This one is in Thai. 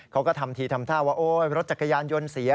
เขาก็ทำทีทำท่าว่าโอ๊ยรถจักรยานยนต์เสีย